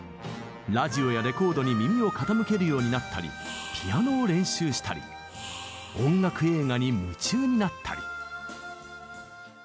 ラジオやレコードに耳を傾けるようになったりピアノを練習したり音楽映画に夢中になったり。